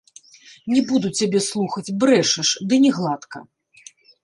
Не буду цябе слухаць, брэшаш, ды не гладка.